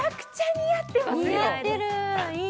似合ってるいい！